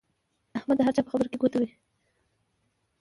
احمد د هر چا په خبره کې ګوته وهي.